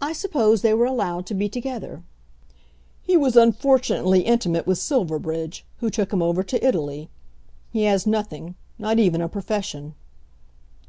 "I suppose they were allowed to be together." "He was unfortunately intimate with Silverbridge, who took him over to Italy. He has nothing; not even a profession."